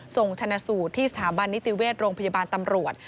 ส่งชนะสูตรที่สถาบันนิติเวชโรงพยาบาลตำรวจ